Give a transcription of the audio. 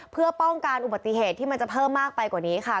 เพื่อป้องกันอุบัติเหตุที่มันจะเพิ่มมากไปกว่านี้ค่ะ